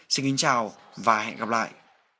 xin chào và hẹn gặp lại